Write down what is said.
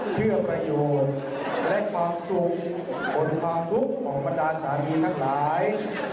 เชื่อประโยชน์และความสุขผลความทุกข์ของบรรดาสามีทั้งหลาย